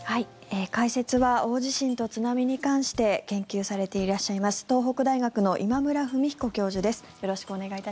解説は大地震と津波に関して研究されていらっしゃいます東北大学の今村文彦教授です。